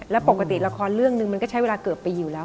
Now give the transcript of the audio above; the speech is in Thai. แล้วปกติละครเรื่องนึงมันก็ใช้เวลาเกือบปีอยู่แล้ว